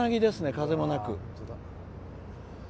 風もなく。